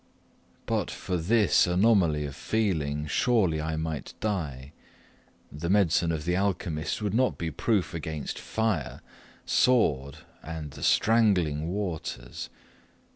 But for this anomaly of feeling surely I might die: the medicine of the alchymist would not be proof against fire sword and the strangling waters.